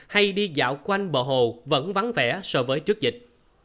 hay đi dạo quanh bờ hồ vẫn vắng vẻ so với trước dịch